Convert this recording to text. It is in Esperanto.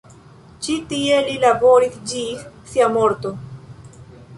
Ĉi tie li laboris ĝis sia morto.